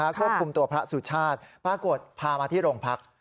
หากบอกว่าพระสุชาติปรากฏพามาที่โรงพักษณ์